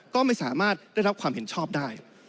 ก็ไม่สามารถได้รับความเห็นชอบได้